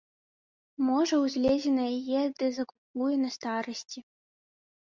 Можа, узлезе на яе ды закукуе на старасці.